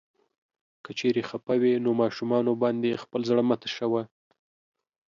که چيرې خفه وې نو ماشومانو باندې خپل زړه مه تشوه.